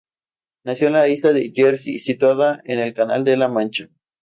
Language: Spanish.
Nació en la isla de Jersey, situada en el Canal de la Mancha.